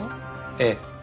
ええ。